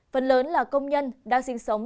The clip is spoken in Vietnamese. phần lớn là công nhân đang sinh sống